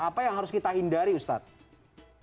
apa yang harus kita hindari ustadz